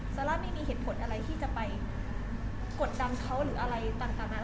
ซาร่าไม่มีเหตุผลอะไรที่จะไปกดดันเขาหรืออะไรต่างนั้น